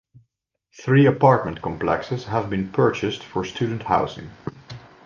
Three apartment complexes have been purchased for student housing.